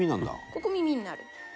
ここ耳になる。